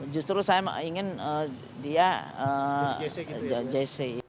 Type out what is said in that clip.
justru saya ingin dia jc